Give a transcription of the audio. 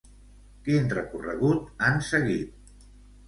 Quin recorregut han seguit?